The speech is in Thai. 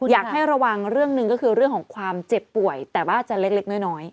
อยากให้ระวังเรื่องหนึ่งก็คือเรื่องของความเจ็บป่วยแต่ว่าอาจจะเล็กน้อย